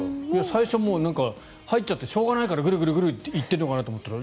最初、入っちゃってしょうがないからグルグル行ってるのかなと思ったら。